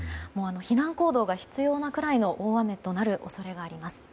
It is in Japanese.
避難行動が必要なくらいの大雨となる恐れがあります。